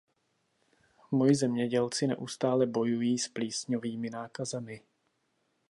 Moji zemědělci neustále bojují s plísňovými nákazami.